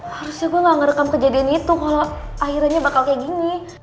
harusnya gue gak ngerekam kejadian itu kalau akhirnya bakal kayak gini